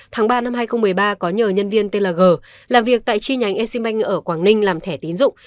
tháng ba năm hai nghìn một mươi ba có nhờ nhân viên tên là g làm việc tại chi nhánh exim bank ở quảng ninh làm thẻ tiến dụng